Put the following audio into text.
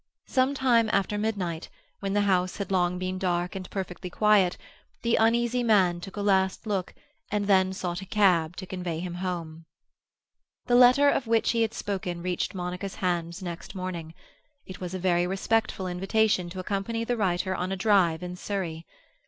Some time after midnight, when the house had long been dark and perfectly quiet, the uneasy man took a last look, and then sought a cab to convey him home. The letter of which he had spoken reached Monica's hands next morning. It was a very respectful invitation to accompany the writer on a drive in Surrey.